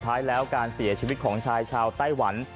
ท้ายแล้วการเสียชีวิตของชายชาวไต้หวัน